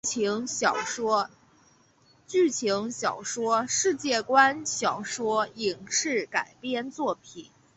剧情小说世界观小说影视改编作品